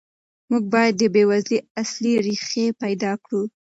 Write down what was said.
موږ باید د بېوزلۍ اصلي ریښې پیدا کړو.